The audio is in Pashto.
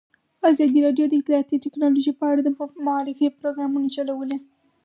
ازادي راډیو د اطلاعاتی تکنالوژي په اړه د معارفې پروګرامونه چلولي.